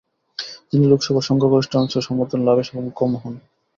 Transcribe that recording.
তিনি লোকসভার সংখ্যাগরিষ্ঠ অংশের সমর্থন লাভে সক্ষম হন।